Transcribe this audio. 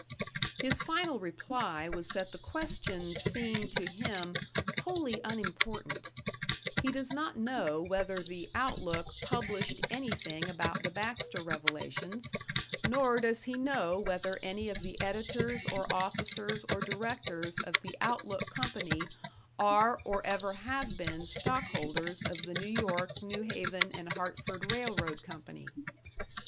His final reply was that the questions seem to him "wholly unimportant"; he does not know whether the "Outlook" published anything about the Baxter revelations, nor does he know whether any of the editors or officers or directors of the "Outlook" Company are or ever have been stockholders of the New York, New Haven and Hartford Railroad Company.